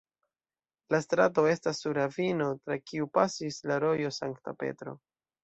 La strato estas sur ravino tra kiu pasis la rojo Sankta Petro.